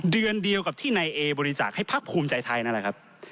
เดือนเดียวกับที่นายเอบริจาคให้พักภูมิใจไทยนั่นแหละครับ